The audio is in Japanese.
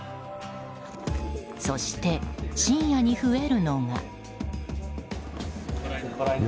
そして、深夜に増えるのが。